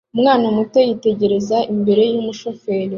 Umwana muto yitegereza imbere yumushoferi